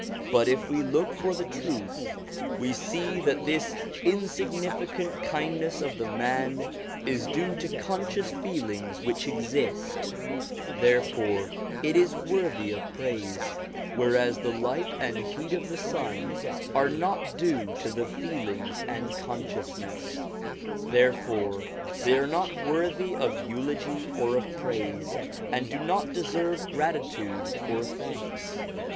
But if we look for the truth, we see that this insignificant kindness of the man is due to conscious feelings which exist, therefore it is worthy of praise ; whereas the light and heat of the sun are not due to the feelings and consciousness, MISCELLANEOUS SUBJECTS 343 therefore they are not worthy of eulogy or of praise, and do not deserve gratitude or thanks.